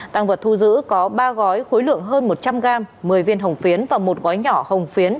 tăng vật thu giữ có ba gói khối lượng hơn một trăm linh gram một mươi viên hồng phiến và một gói nhỏ hồng phiến